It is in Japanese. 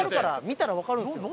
見たらわかるんですよ。